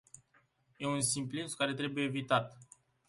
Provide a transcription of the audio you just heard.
Este un simplism care trebuie evitat.